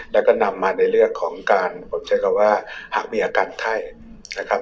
แล้วก็นำมาในเรื่องของการผมใช้คำว่าหากมีอาการไข้นะครับ